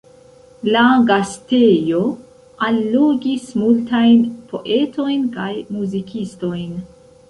La gastejo allogis multajn poetojn kaj muzikistojn.